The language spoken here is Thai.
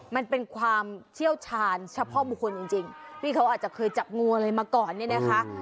มันเป็นความเชี่ยวชาญเฉพาะบุคคลจริงที่เขาอาจจะเคยจับงูอะไรมาก่อนเนี่ยนะคะ